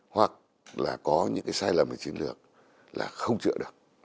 hoặc là có những cái sai lầm về chiến lược là không chữa được